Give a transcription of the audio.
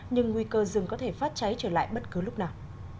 nhưng nguy cơ rừng có thể phát cháy trở lại bất cứ lúc nào